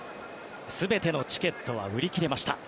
全てのチケットは売り切れました。